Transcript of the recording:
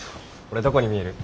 俺どこに見える？